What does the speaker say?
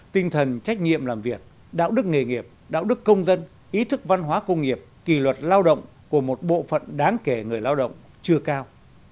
tinh thần trách nhiệm làm việc đạo đức nghề nghiệp đạo đức công dân ý thức văn hóa công nghiệp kỳ luật lao động của một bộ phận đáng kể người lao động chưa cao